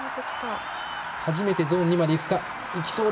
初めてゾーン２までいった。